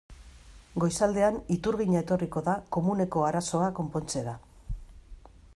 Goizaldean iturgina etorriko da komuneko arazoa konpontzera.